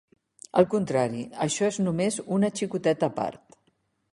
Al contrari, això és només una xicoteta part.